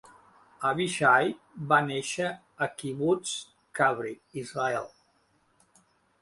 Avishai va néixer a Kibbutz Kabri, Israel.